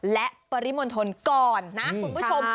และปริมณฑลก่อนนะคุณผู้ชม